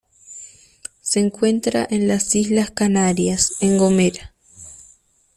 Se encuentra en las Islas Canarias en Gomera.